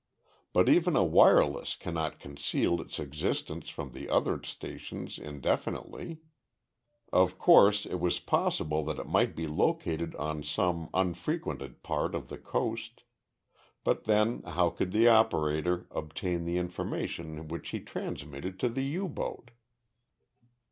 But even a wireless cannot conceal its existence from the other stations indefinitely. Of course, it was possible that it might be located on some unfrequented part of the coast but then how could the operator obtain the information which he transmitted to the U boat?